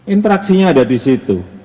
interaksinya ada di situ